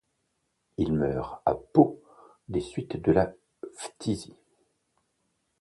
Il meurt à Pau des suites de la phtisie.